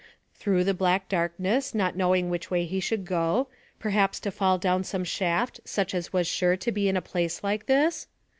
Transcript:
Through the black darkness, not knowing which way he should go, perhaps to fall down some shaft such as was sure to be in a place like this?